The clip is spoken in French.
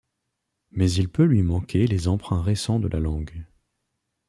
Mais il peut lui manquer les emprunts récents de la langue.